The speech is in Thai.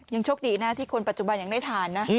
ยังโชคดีนะที่คนปัจจุบันยังได้ทานนะ